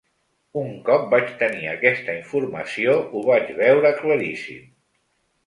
Un cop vaig tenir aquesta informació ho vaig veure claríssim.